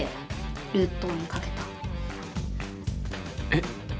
えっ？